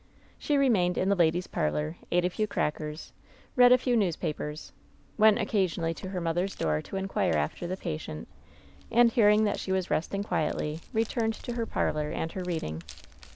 She remained in the ladies' parlor, ate a few crackers, read a few newspapers, went occasionally to her mother's door to inquire after the patient, and hearing that she was resting quietly, returned to her parlor and her read ing.